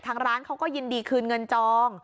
ทางร้านเขาก็ยินดีคืนเงินจอง